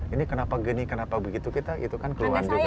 ini kenapa gini kenapa begitu kita itu kan keluar juga